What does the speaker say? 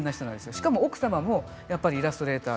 しかも奥様もイラストレーター